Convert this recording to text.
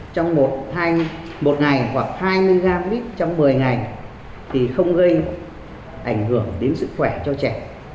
trong một ngày hoặc hai mươi g lít trong một mươi ngày thì không gây ảnh hưởng đến sức khỏe cho trẻ